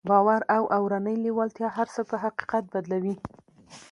باور او اورنۍ لېوالتیا هر څه پر حقيقت بدلوي.